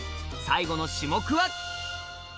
最後の種目は！